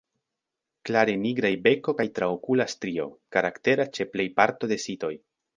Klare nigraj beko kaj traokula strio, karaktera ĉe plej parto de sitoj.